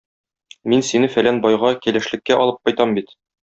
Мин сине фәлән байга кәләшлеккә алып кайтам бит.